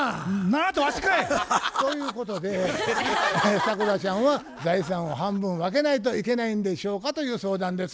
てわしかい！ということでサクラちゃんは財産を半分分けないといけないんでしょうかという相談です。